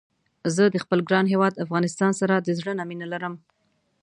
زه د خپل ګران هيواد افغانستان سره د زړه نه ډيره مينه لرم